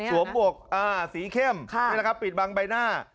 สวมบวกอ่าสีเข้มนี่แหละปิดบังใบหน้า